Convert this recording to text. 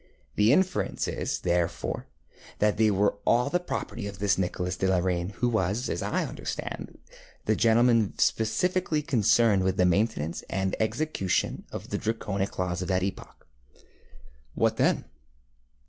The inference is, therefore, that they were all the property of this Nicholas de la Reynie, who was, as I understand, the gentleman specially concerned with the maintenance and execution of the Draconic laws of that epoch. ŌĆØ ŌĆ£What then?